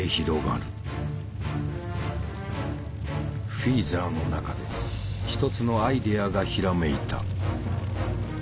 フィーザーの中で一つのアイデアがひらめいた。